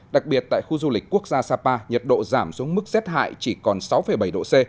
đặc biệt tại khu du lịch quốc gia sapa nhiệt độ giảm xuống mức rét hại chỉ còn sáu bảy độ c